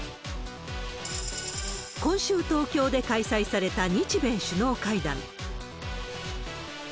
今週、東京で開催された日米首脳会談。